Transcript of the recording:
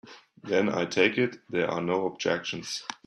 Then I take it there are no objections.